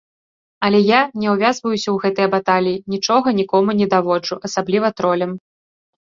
Але я не ўвязваюся ў гэтыя баталіі, нічога нікому не даводжу, асабліва тролям.